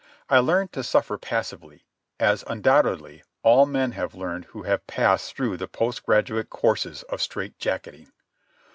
I learned to suffer passively, as, undoubtedly, all men have learned who have passed through the post graduate courses of strait jacketing.